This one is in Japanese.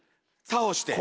倒して。